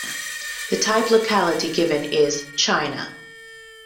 The type locality given is "China".